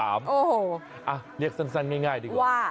โอ้โหเรียกสั้นง่ายดีกว่า